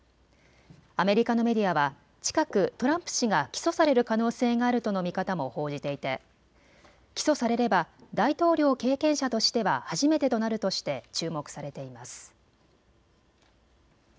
アメリカのメディアは近くトランプ氏が起訴される可能性があるとの見方も報じていて起訴されれば大統領経験者としては初めてとなるとして注目されています。